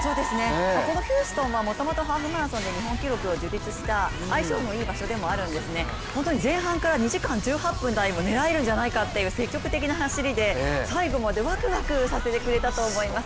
ヒューストンはもともとハーフマラソンで日本歴代２位の記録を出した相性のいい場所でもあるんですね、本当に前半から２時間１８分台も狙えるんじゃないかという、積極的な走りで最後までわくわくさせてくれたと思います。